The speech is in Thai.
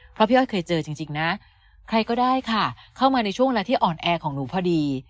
เพราะพี่อ้อยเคยเจอจริงนะใครก็ได้ค่ะเข้ามาในช่วงเวลาที่อ่อนแอของหนูพอดี